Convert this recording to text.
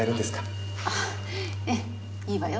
ああええいいわよ。